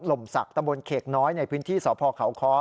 ลมศักดิตะบนเขกน้อยในพื้นที่สพเขาค้อ